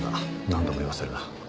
何度も言わせるな。